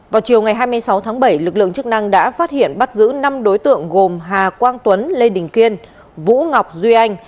vào chiều ngày hai mươi sáu tháng bảy lực lượng chức năng đã phát hiện bắt giữ năm đối tượng gồm hà quang tuấn lê đình kiên vũ ngọc duy anh